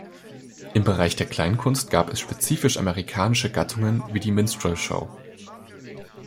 Im Bereich der Kleinkunst gab es spezifisch amerikanische Gattungen wie die Minstrel Show.